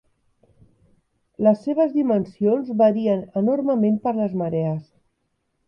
Les seves dimensions varien enormement per les marees.